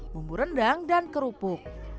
bumbu rendang dan kerupuk